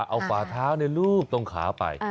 เอาฝาเท้ารูปตรงขาไป